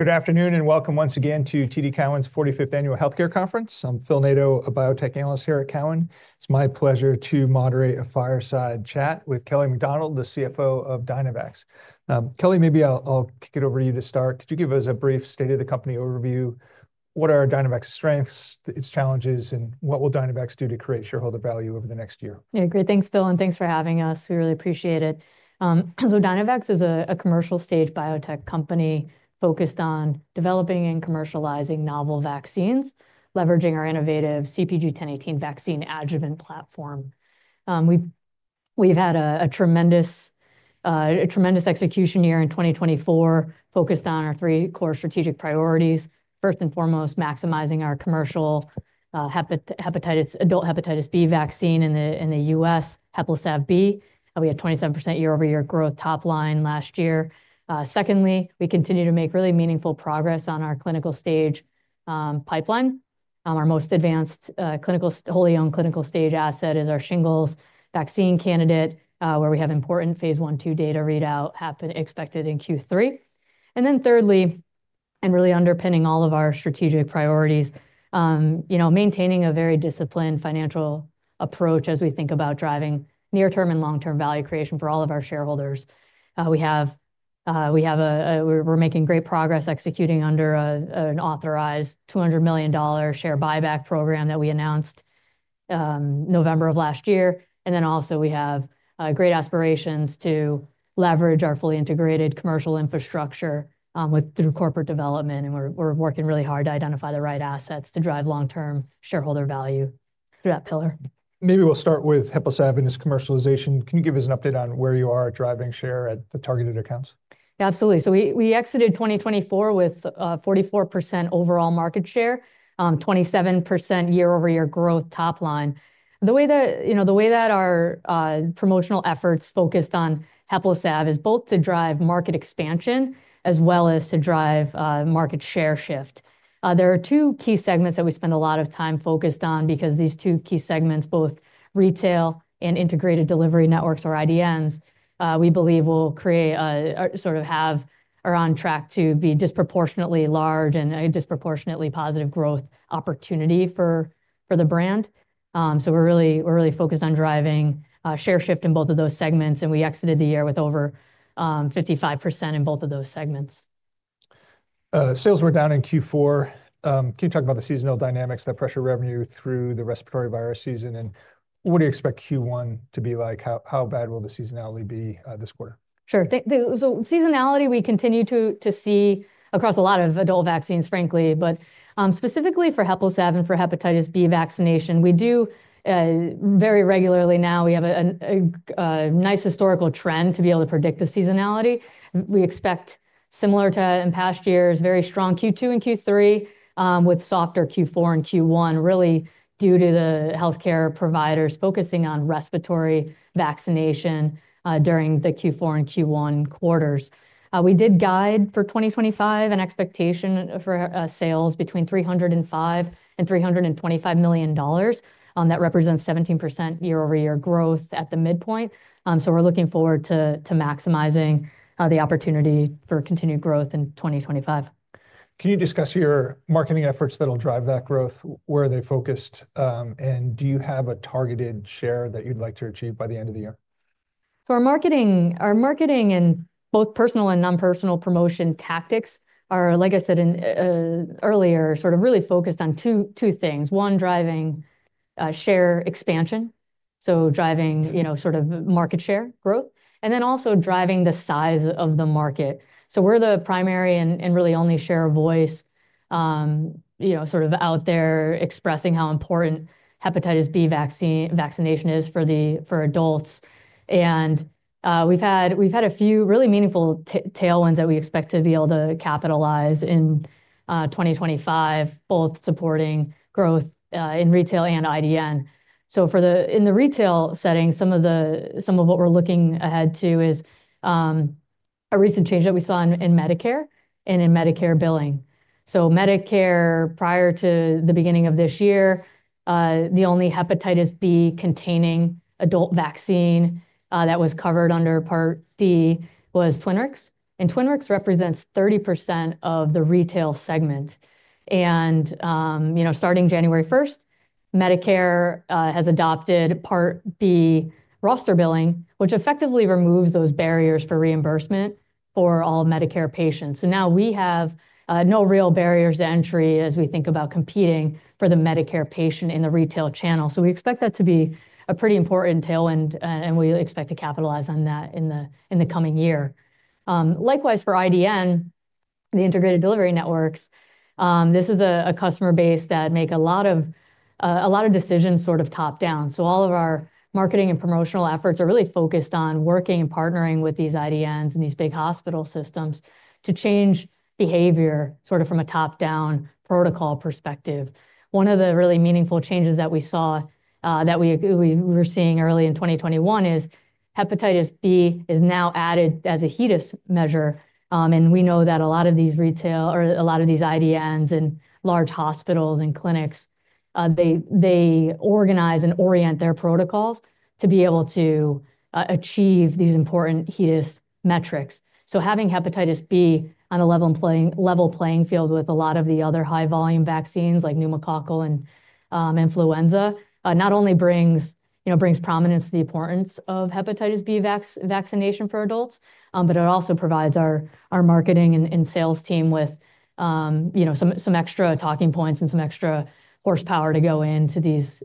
Good afternoon and welcome once again to TD Cowen's 45th Annual Healthcare Conference. I'm Phil Nadeau, a biotech analyst here at Cowen. It's my pleasure to moderate a fireside chat with Kelly MacDonald, the CFO of Dynavax. Kelly, maybe I'll kick it over to you to start. Could you give us a brief state-of-the-company overview? What are Dynavax's strengths, its challenges, and what will Dynavax do to create shareholder value over the next year? Yeah, great. Thanks, Phil, and thanks for having us. We really appreciate it. Dynavax is a commercial-stage biotech company focused on developing and commercializing novel vaccines, leveraging our innovative CpG 1018 vaccine adjuvant platform. We've had a tremendous execution year in 2024 focused on our three core strategic priorities. First and foremost, maximizing our commercial adult hepatitis B vaccine in the U.S., Heplisav-B. We had 27% year-over-year growth top line last year. Secondly, we continue to make really meaningful progress on our clinical-stage pipeline. Our most advanced, wholly owned clinical-stage asset is our shingles vaccine candidate, where we have important Phase 1/2 data readout expected in Q3. Thirdly, and really underpinning all of our strategic priorities, maintaining a very disciplined financial approach as we think about driving near-term and long-term value creation for all of our shareholders. We have a, we're making great progress executing under an authorized $200 million share buyback program that we announced November of last year. We also have great aspirations to leverage our fully integrated commercial infrastructure through corporate development. We're working really hard to identify the right assets to drive long-term shareholder value through that pillar. Maybe we'll start with Heplisav and its commercialization. Can you give us an update on where you are driving share at the targeted accounts? Absolutely. We exited 2024 with 44% overall market share, 27% year-over-year growth top line. The way that, you know, the way that our promotional efforts focused on Heplisav is both to drive market expansion as well as to drive market share shift. There are two key segments that we spend a lot of time focused on because these two key segments, both retail and integrated delivery networks or IDNs, we believe will create a sort of have-on track to be disproportionately large and a disproportionately positive growth opportunity for the brand. We are really focused on driving share shift in both of those segments. We exited the year with over 55% in both of those segments. Sales were down in Q4. Can you talk about the seasonal dynamics that pressure revenue through the respiratory virus season? What do you expect Q1 to be like? How bad will the seasonality be this quarter? Sure. Seasonality we continue to see across a lot of adult vaccines, frankly, but specifically for Heplisav and for hepatitis B vaccination, we do very regularly now. We have a nice historical trend to be able to predict the seasonality. We expect similar to in past years, very strong Q2 and Q3 with softer Q4 and Q1, really due to the healthcare providers focusing on respiratory vaccination during the Q4 and Q1 quarters. We did guide for 2025 an expectation for sales between $305 million and $325 million. That represents 17% year-over-year growth at the midpoint. We are looking forward to maximizing the opportunity for continued growth in 2025. Can you discuss your marketing efforts that'll drive that growth? Where are they focused? Do you have a targeted share that you'd like to achieve by the end of the year? Our marketing and both personal and non-personal promotion tactics are, like I said earlier, sort of really focused on two things. One, driving share expansion. Driving sort of market share growth. Then also driving the size of the market. We are the primary and really only share of voice, you know, sort of out there expressing how important hepatitis B vaccination is for adults. We have had a few really meaningful tailwinds that we expect to be able to capitalize in 2025, both supporting growth in retail and IDN. In the retail setting, some of what we are looking ahead to is a recent change that we saw in Medicare and in Medicare billing. Medicare, prior to the beginning of this year, the only hepatitis B containing adult vaccine that was covered under Part D was Twinrix. Twinrix represents 30% of the retail segment. Starting January 1, Medicare has adopted Part B roster billing, which effectively removes those barriers for reimbursement for all Medicare patients. Now we have no real barriers to entry as we think about competing for the Medicare patient in the retail channel. We expect that to be a pretty important tailwind, and we expect to capitalize on that in the coming year. Likewise, for IDN, the integrated delivery networks, this is a customer base that makes a lot of decisions sort of top down. All of our marketing and promotional efforts are really focused on working and partnering with these IDNs and these big hospital systems to change behavior sort of from a top down protocol perspective. One of the really meaningful changes that we saw, that we were seeing early in 2021, is hepatitis B is now added as a HEDIS measure. We know that a lot of these retail or a lot of these IDNs and large hospitals and clinics, they organize and orient their protocols to be able to achieve these important HEDIS metrics. Having hepatitis B on a level playing field with a lot of the other high volume vaccines like pneumococcal and influenza not only brings prominence to the importance of hepatitis B vaccination for adults, but it also provides our marketing and sales team with some extra talking points and some extra horsepower to go into these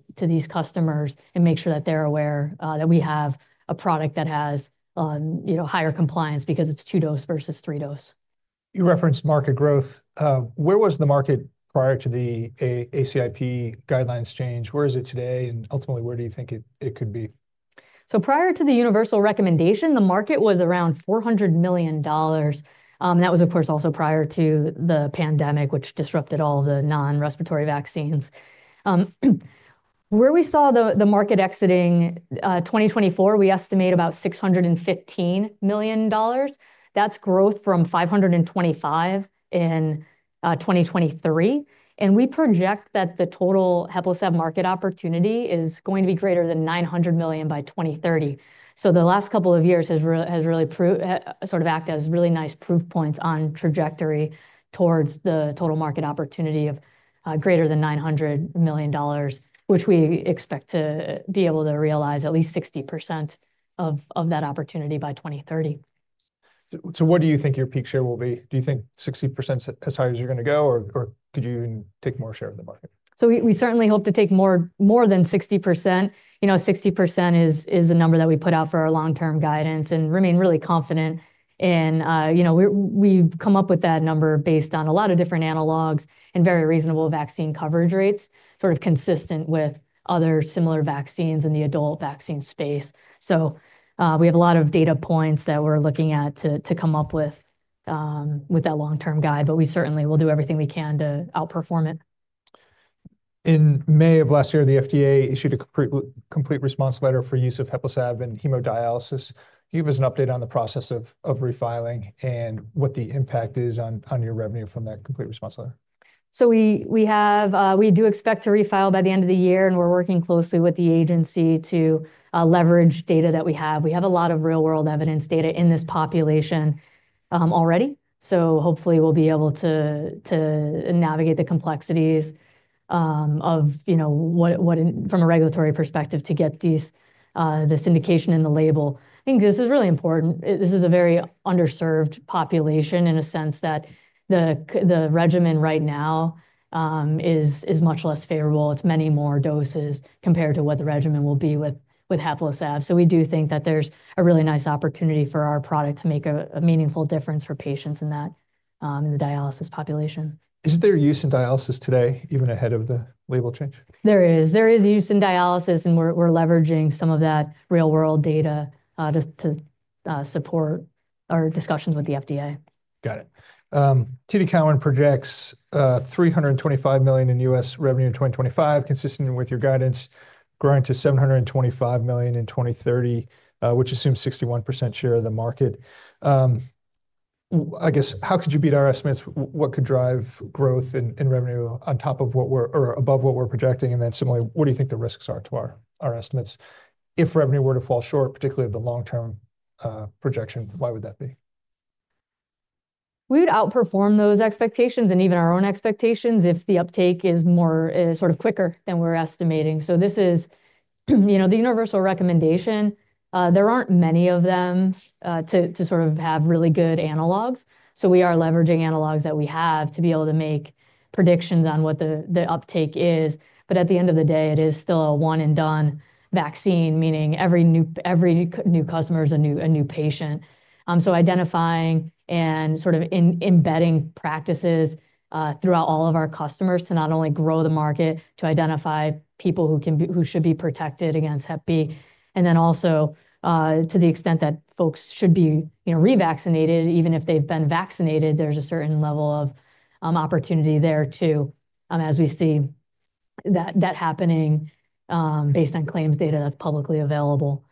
customers and make sure that they're aware that we have a product that has higher compliance because it's two dose versus three dose. You referenced market growth. Where was the market prior to the ACIP guidelines change? Where is it today? Ultimately, where do you think it could be? Prior to the universal recommendation, the market was around $400 million. That was, of course, also prior to the pandemic, which disrupted all the non-respiratory vaccines. Where we saw the market exiting 2024, we estimate about $615 million. That is growth from $525 million in 2023. We project that the total Heplisav-B market opportunity is going to be greater than $900 million by 2030. The last couple of years has really sort of acted as really nice proof points on trajectory towards the total market opportunity of greater than $900 million, which we expect to be able to realize at least 60% of that opportunity by 2030. What do you think your peak share will be? Do you think 60% is how you're going to go, or could you take more share of the market? We certainly hope to take more than 60%. You know, 60% is a number that we put out for our long-term guidance and remain really confident. We have come up with that number based on a lot of different analogs and very reasonable vaccine coverage rates, sort of consistent with other similar vaccines in the adult vaccine space. We have a lot of data points that we are looking at to come up with that long-term guide, but we certainly will do everything we can to outperform it. In May of last year, the FDA issued a Complete Response Letter for use of Heplisav-B in hemodialysis. Can you give us an update on the process of refiling and what the impact is on your revenue from that Complete Response Letter? We do expect to refile by the end of the year, and we're working closely with the agency to leverage data that we have. We have a lot of real-world evidence data in this population already. Hopefully we'll be able to navigate the complexities of, you know, from a regulatory perspective to get this indication in the label. I think this is really important. This is a very underserved population in a sense that the regimen right now is much less favorable. It's many more doses compared to what the regimen will be with Heplisav. We do think that there's a really nice opportunity for our product to make a meaningful difference for patients in the dialysis population. Is there use in dialysis today, even ahead of the label change? There is. There is use in dialysis, and we're leveraging some of that real-world data to support our discussions with the FDA. Got it. TD Cowen projects $325 million in U.S. revenue in 2025, consistent with your guidance, growing to $725 million in 2030, which assumes 61% share of the market. I guess, how could you beat our estimates? What could drive growth in revenue on top of what we're or above what we're projecting? Similarly, what do you think the risks are to our estimates? If revenue were to fall short, particularly of the long-term projection, why would that be? We would outperform those expectations and even our own expectations if the uptake is more sort of quicker than we're estimating. This is, you know, the universal recommendation. There aren't many of them to sort of have really good analogs. We are leveraging analogs that we have to be able to make predictions on what the uptake is. At the end of the day, it is still a one-and-done vaccine, meaning every new customer is a new patient. Identifying and sort of embedding practices throughout all of our customers to not only grow the market, to identify people who should be protected against Hep B, and then also to the extent that folks should be revaccinated, even if they've been vaccinated, there's a certain level of opportunity there too, as we see that happening based on claims data that's publicly available.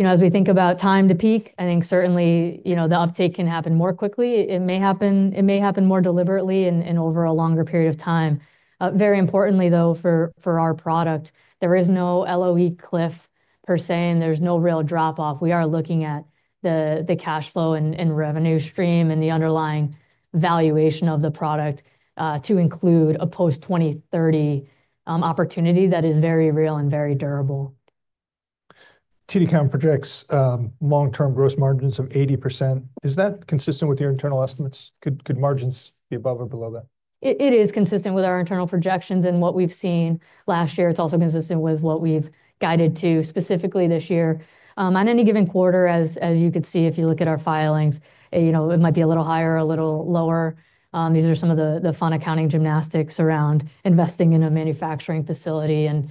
You know, as we think about time to peak, I think certainly, you know, the uptake can happen more quickly. It may happen more deliberately and over a longer period of time. Very importantly, though, for our product, there is no LOE cliff per se, and there's no real drop-off. We are looking at the cash flow and revenue stream and the underlying valuation of the product to include a post-2030 opportunity that is very real and very durable. TD Cowen projects long-term gross margins of 80%. Is that consistent with your internal estimates? Could margins be above or below that? It is consistent with our internal projections and what we've seen last year. It's also consistent with what we've guided to specifically this year. On any given quarter, as you could see, if you look at our filings, you know, it might be a little higher, a little lower. These are some of the fun accounting gymnastics around investing in a manufacturing facility. You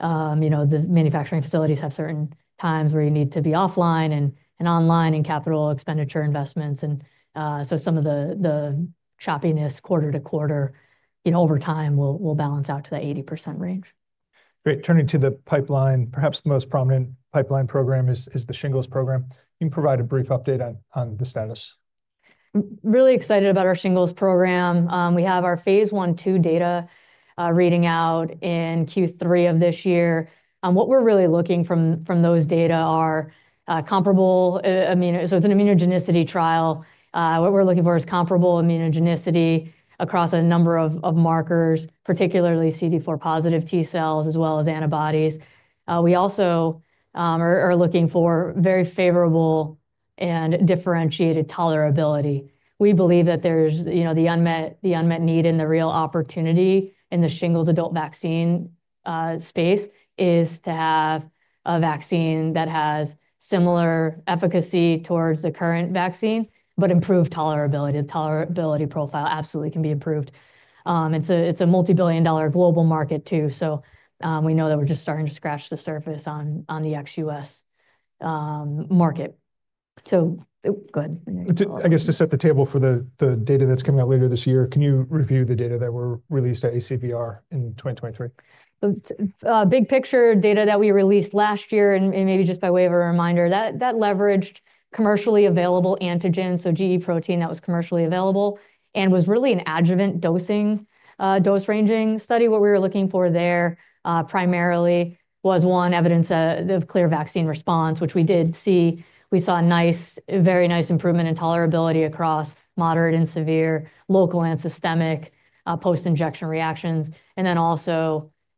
know, the manufacturing facilities have certain times where you need to be offline and online in capital expenditure investments. Some of the choppiness quarter to quarter, you know, over time will balance out to that 80% range. Great. Turning to the pipeline, perhaps the most prominent pipeline program is the shingles program. Can you provide a brief update on the status? Really excited about our shingles program. We have our Phase 1/2 data reading out in Q3 of this year. What we're really /looking from those data are comparable, I mean, so it's an immunogenicity trial. What we're looking for is comparable immunogenicity across a number of markers, particularly CD4 positive T cells as well as antibodies. We also are looking for very favorable and differentiated tolerability. We believe that there's, you know, the unmet need and the real opportunity in the shingles adult vaccine space is to have a vaccine that has similar efficacy towards the current vaccine, but improved tolerability. The tolerability profile absolutely can be improved. It is a multi-billion dollar global market too. We know that we're just starting to scratch the surface on the ex-U.S. market. Go ahead. I guess to set the table for the data that's coming out later this year, can you review the data that were released to ACIP in 2023? Big picture data that we released last year, and maybe just by way of a reminder, that leveraged commercially available antigens, so gE protein that was commercially available and was really an adjuvant dosing dose ranging study. What we were looking for there primarily was, one, evidence of clear vaccine response, which we did see. We saw a nice, very nice improvement in tolerability across moderate and severe, local and systemic post-injection reactions.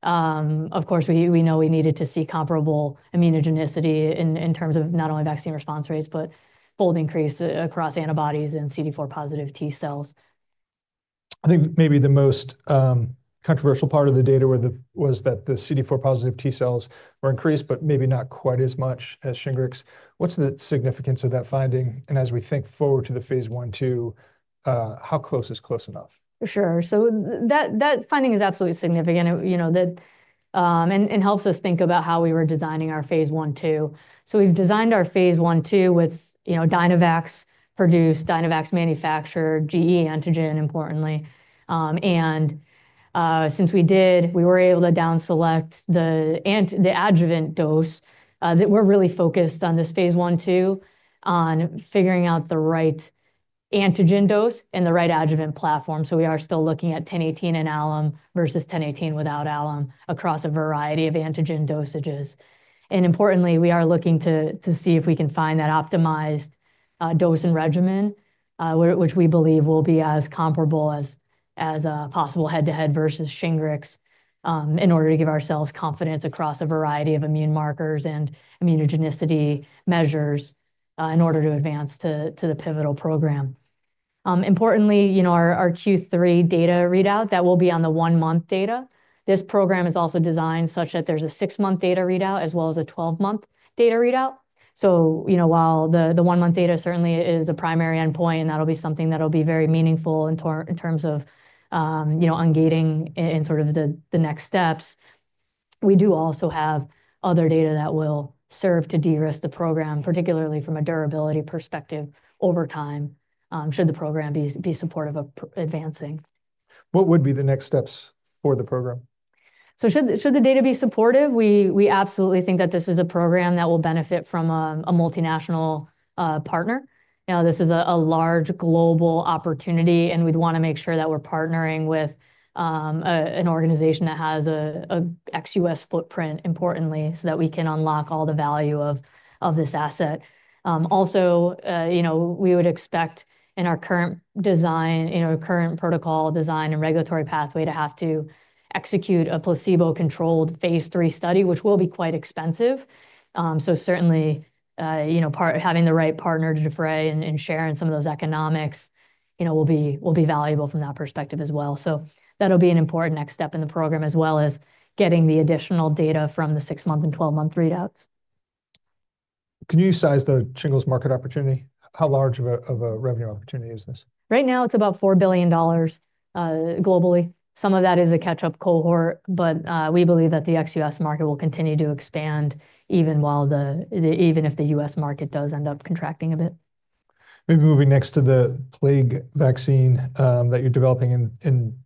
Of course, we know we needed to see comparable immunogenicity in terms of not only vaccine response rates, but bold increase across antibodies and CD4 positive T cells. I think maybe the most controversial part of the data was that the CD4 positive T cells were increased, but maybe not quite as much as Shingrix. What's the significance of that finding? As we think forward to the Phase 1/2, how close is close enough? For sure. That finding is absolutely significant, you know, and helps us think about how we were designing our Phase 1/2. We have designed our Phase 1/2 with, you know, Dynavax produced, Dynavax manufactured, gE antigen importantly. Since we did, we were able to downselect the adjuvant dose. We are really focused on this Phase 1/2 on figuring out the right antigen dose and the right adjuvant platform. We are still looking at 1018 in alum versus 1018 without alum across a variety of antigen dosages. Importantly, we are looking to see if we can find that optimized dose and regimen, which we believe will be as comparable as possible head-to-head versus Shingrix in order to give ourselves confidence across a variety of immune markers and immunogenicity measures in order to advance to the pivotal program. Importantly, you know, our Q3 data readout that will be on the one-month data. This program is also designed such that there's a six-month data readout as well as a 12-month data readout. You know, while the one-month data certainly is the primary endpoint, and that'll be something that'll be very meaningful in terms of, you know, ungating in sort of the next steps, we do also have other data that will serve to de-risk the program, particularly from a durability perspective over time should the program be supportive of advancing. What would be the next steps for the program? Should the data be supportive? We absolutely think that this is a program that will benefit from a multinational partner. Now, this is a large global opportunity, and we'd want to make sure that we're partnering with an organization that has an ex-U.S. footprint importantly so that we can unlock all the value of this asset. Also, you know, we would expect in our current design, you know, current protocol design and regulatory pathway to have to execute a placebo-controlled Phase 3 study, which will be quite expensive. Certainly, you know, having the right partner to defer and share in some of those economics, you know, will be valuable from that perspective as well. That will be an important next step in the program as well as getting the additional data from the six-month and 12-month readouts. Can you size the shingles market opportunity? How large of a revenue opportunity is this? Right now, it's about $4 billion globally. Some of that is a catch-up cohort, but we believe that the ex-U.S. market will continue to expand even if the US market does end up contracting a bit. Maybe moving next to the plague vaccine that you're developing in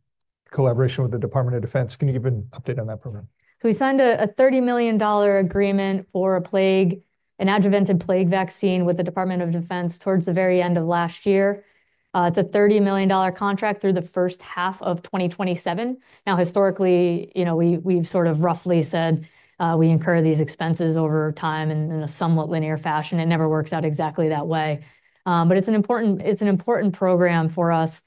collaboration with the Department of Defense. Can you give an update on that program? We signed a $30 million agreement for a plague, an adjuvanted plague vaccine with the Department of Defense towards the very end of last year. It is a $30 million contract through the first half of 2027. Now, historically, you know, we have sort of roughly said we incur these expenses over time in a somewhat linear fashion. It never works out exactly that way. It is an important program for us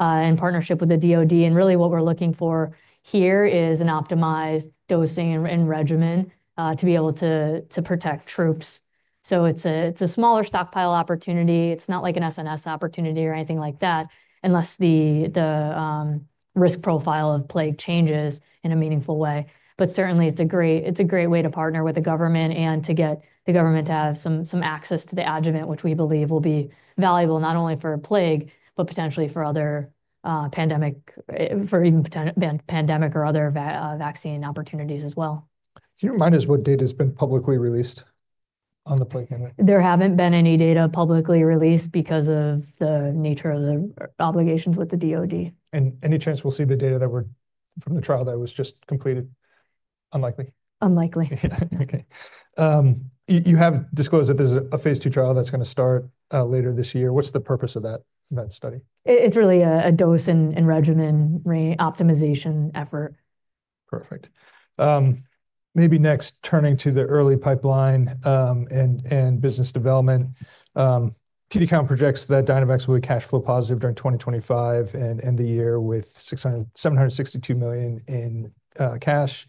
in partnership with the DoD. Really what we are looking for here is an optimized dosing and regimen to be able to protect troops. It is a smaller stockpile opportunity. It is not like an SNS opportunity or anything like that unless the risk profile of plague changes in a meaningful way. Certainly, it's a great way to partner with the government and to get the government to have some access to the adjuvant, which we believe will be valuable not only for a plague, but potentially for other pandemic or other vaccine opportunities as well. Do you remind us what data has been publicly released on the plague? There haven't been any data publicly released because of the nature of the obligations with the DoD. Any chance we'll see the data from the trial that was just completed? Unlikely. Unlikely. Okay. You have disclosed that there's a Phase 2 trial that's going to start later this year. What's the purpose of that study? It's really a dose and regimen optimization effort. Perfect. Maybe next, turning to the early pipeline and business development. TD Cowen projects that Dynavax will be cash flow positive during 2025 and end the year with $762 million in cash.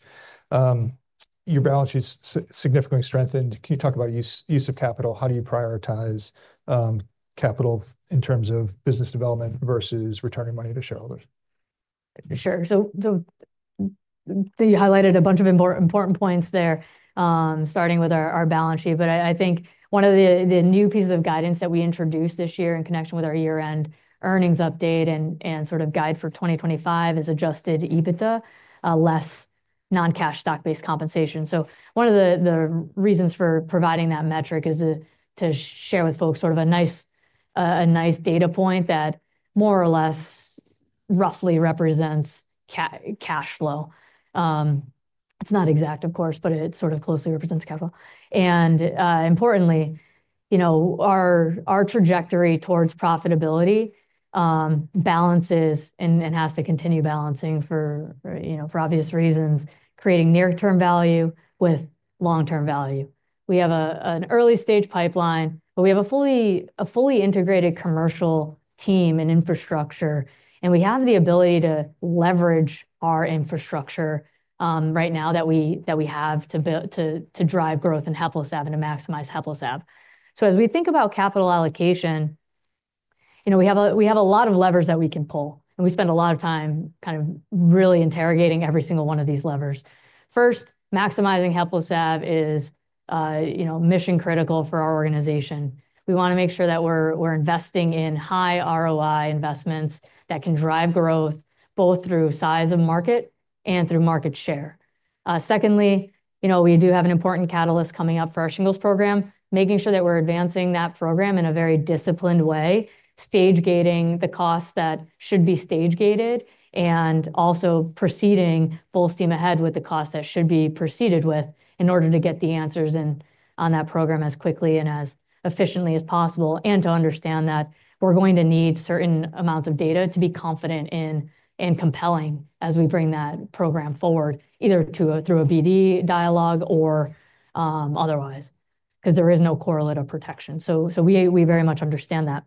Your balance sheet's significantly strengthened. Can you talk about use of capital? How do you prioritize capital in terms of business development versus returning money to shareholders? Sure. You highlighted a bunch of important points there, starting with our balance sheet. I think one of the new pieces of guidance that we introduced this year in connection with our year-end earnings update and sort of guide for 2025 is adjusted EBITDA, less non-cash stock-based compensation. One of the reasons for providing that metric is to share with folks sort of a nice data point that more or less roughly represents cash flow. It is not exact, of course, but it sort of closely represents cash flow. Importantly, you know, our trajectory towards profitability balances and has to continue balancing for, you know, for obvious reasons, creating near-term value with long-term value. We have an early-stage pipeline, but we have a fully integrated commercial team and infrastructure. We have the ability to leverage our infrastructure right now that we have to drive growth and Heplisav and to maximize Heplisav. As we think about capital allocation, you know, we have a lot of levers that we can pull. We spend a lot of time kind of really interrogating every single one of these levers. First, maximizing Heplisav is, you know, mission critical for our organization. We want to make sure that we're investing in high ROI investments that can drive growth both through size of market and through market share. Secondly, you know, we do have an important catalyst coming up for our shingles program, making sure that we're advancing that program in a very disciplined way, stage-gating the costs that should be stage-gated, and also proceeding full steam ahead with the costs that should be proceeded with in order to get the answers on that program as quickly and as efficiently as possible and to understand that we're going to need certain amounts of data to be confident in and compelling as we bring that program forward, either through a BD dialogue or otherwise, because there is no correlate of protection. We very much understand that.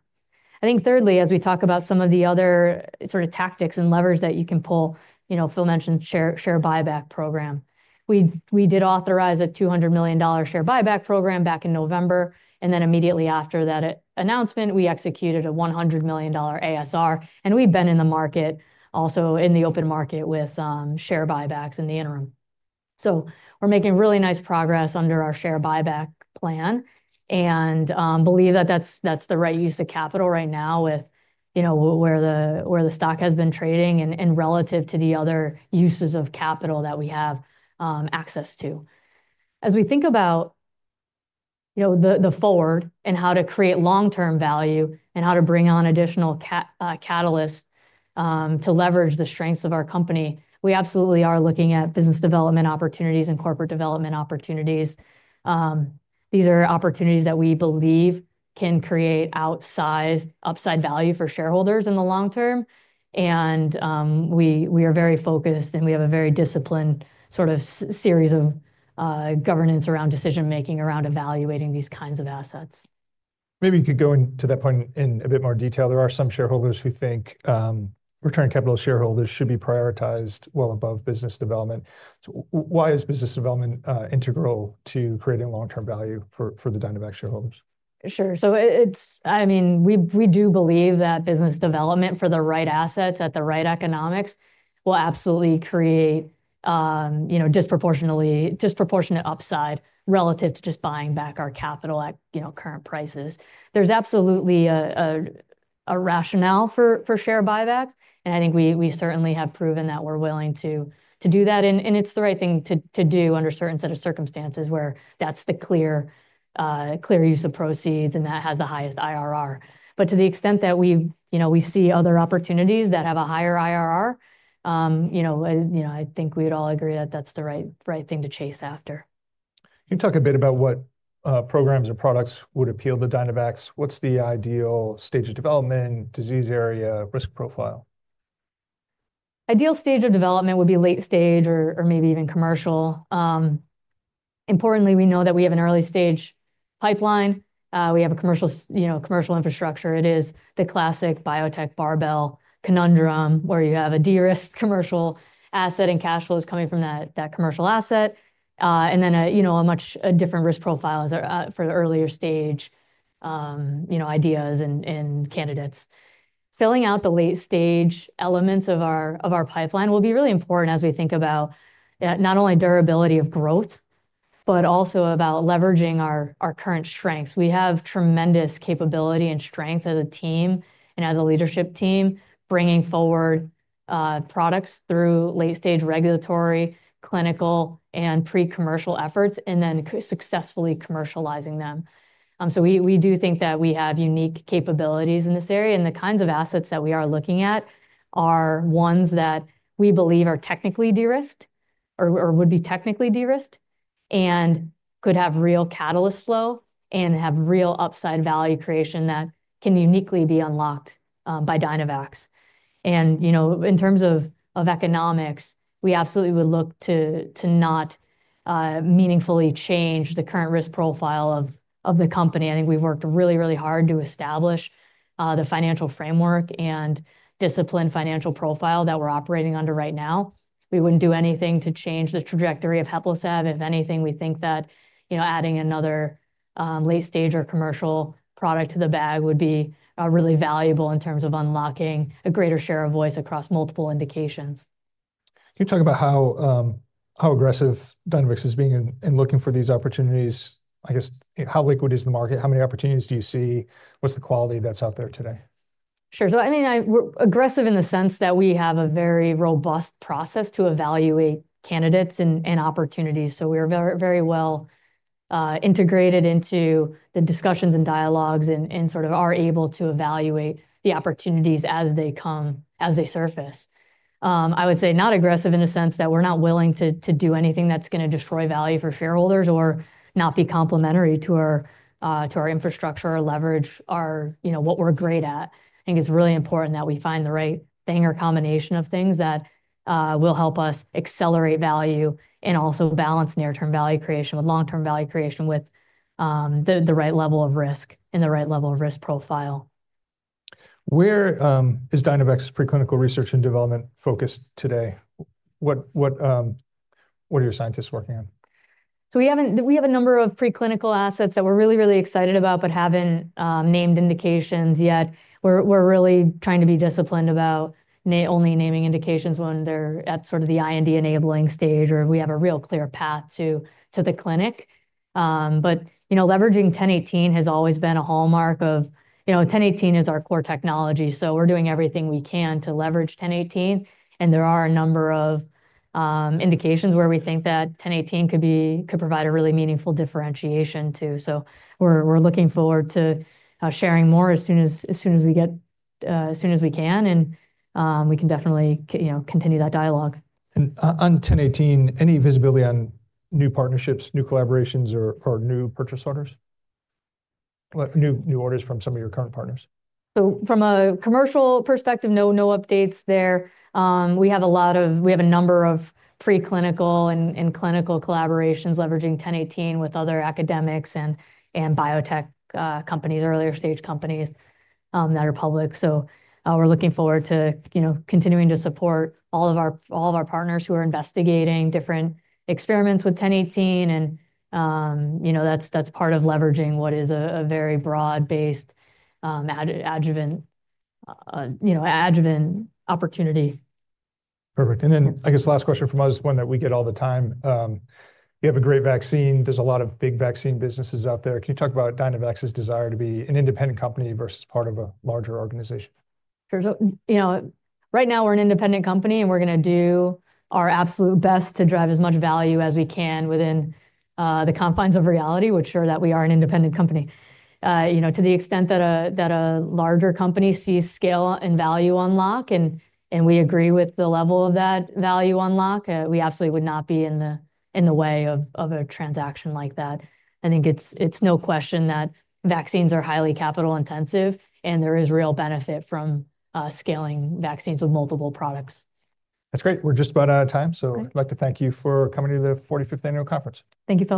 I think thirdly, as we talk about some of the other sort of tactics and levers that you can pull, you know, Phil mentioned share buyback program. We did authorize a $200 million share buyback program back in November. Immediately after that announcement, we executed a $100 million ASR. We have been in the market, also in the open market with share buybacks in the interim. We are making really nice progress under our share buyback plan and believe that is the right use of capital right now with, you know, where the stock has been trading and relative to the other uses of capital that we have access to. As we think about, you know, the forward and how to create long-term value and how to bring on additional catalysts to leverage the strengths of our company, we absolutely are looking at business development opportunities and corporate development opportunities. These are opportunities that we believe can create outsized upside value for shareholders in the long term. We are very focused and we have a very disciplined sort of series of governance around decision-making around evaluating these kinds of assets. Maybe you could go into that point in a bit more detail. There are some shareholders who think return capital shareholders should be prioritized well above business development. Why is business development integral to creating long-term value for the Dynavax shareholders? Sure. It's, I mean, we do believe that business development for the right assets at the right economics will absolutely create, you know, disproportionate upside relative to just buying back our capital at, you know, current prices. There's absolutely a rationale for share buybacks. I think we certainly have proven that we're willing to do that. It's the right thing to do under certain set of circumstances where that's the clear use of proceeds and that has the highest IRR. To the extent that we, you know, we see other opportunities that have a higher IRR, you know, I think we'd all agree that that's the right thing to chase after. Can you talk a bit about what programs or products would appeal to Dynavax? What's the ideal stage of development, disease area, risk profile? Ideal stage of development would be late-stage or maybe even commercial. Importantly, we know that we have an early stage pipeline. We have a commercial, you know, commercial infrastructure. It is the classic biotech barbell conundrum where you have a de-risked commercial asset and cash flows coming from that commercial asset. Then, you know, a much different risk profile for the earlier stage, you know, ideas and candidates. Filling out the late-stage elements of our pipeline will be really important as we think about not only durability of growth, but also about leveraging our current strengths. We have tremendous capability and strength as a team and as a leadership team bringing forward products through late-stage regulatory, clinical, and pre-commercial efforts and then successfully commercializing them. We do think that we have unique capabilities in this area. The kinds of assets that we are looking at are ones that we believe are technically de-risked or would be technically de-risked and could have real catalyst flow and have real upside value creation that can uniquely be unlocked by Dynavax. You know, in terms of economics, we absolutely would look to not meaningfully change the current risk profile of the company. I think we've worked really, really hard to establish the financial framework and disciplined financial profile that we're operating under right now. We wouldn't do anything to change the trajectory of Heplisav. If anything, we think that, you know, adding another late-stage or commercial product to the bag would be really valuable in terms of unlocking a greater share of voice across multiple indications. Can you talk about how aggressive Dynavax is being in looking for these opportunities? I guess, how liquid is the market? How many opportunities do you see? What's the quality that's out there today? Sure. I mean, we're aggressive in the sense that we have a very robust process to evaluate candidates and opportunities. We're very well integrated into the discussions and dialogues and sort of are able to evaluate the opportunities as they come, as they surface. I would say not aggressive in the sense that we're not willing to do anything that's going to destroy value for shareholders or not be complementary to our infrastructure or leverage our, you know, what we're great at. I think it's really important that we find the right thing or combination of things that will help us accelerate value and also balance near-term value creation with long-term value creation with the right level of risk and the right level of risk profile. Where is Dynavax's preclinical research and development focused today? What are your scientists working on? We have a number of preclinical assets that we're really, really excited about, but haven't named indications yet. We're really trying to be disciplined about only naming indications when they're at sort of the IND-enabling stage or we have a real clear path to the clinic. You know, leveraging 1018 has always been a hallmark of, you know, 1018 is our core technology. We're doing everything we can to leverage 1018. There are a number of indications where we think that 1018 could provide a really meaningful differentiation too. We're looking forward to sharing more as soon as we get, as soon as we can. We can definitely, you know, continue that dialogue. On 1018, any visibility on new partnerships, new collaborations, or new purchase orders? New orders from some of your current partners? From a commercial perspective, no updates there. We have a lot of, we have a number of preclinical and clinical collaborations leveraging 1018 with other academics and biotech companies, earlier stage companies that are public. We are looking forward to, you know, continuing to support all of our partners who are investigating different experiments with 1018. You know, that is part of leveraging what is a very broad-based adjuvant opportunity. Perfect. I guess last question from us, one that we get all the time. You have a great vaccine. There are a lot of big vaccine businesses out there. Can you talk about Dynavax's desire to be an independent company versus part of a larger organization? Sure. You know, right now we're an independent company and we're going to do our absolute best to drive as much value as we can within the confines of reality. We're sure that we are an independent company. You know, to the extent that a larger company sees scale and value unlock and we agree with the level of that value unlock, we absolutely would not be in the way of a transaction like that. I think it's no question that vaccines are highly capital intensive and there is real benefit from scaling vaccines with multiple products. That's great. We're just about out of time. I would like to thank you for coming to the 45th Annual Conference. Thank you for.